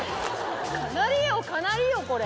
かなりよ、かなりよ、これ。